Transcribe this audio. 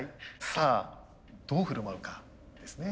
さあどう振る舞うかですね。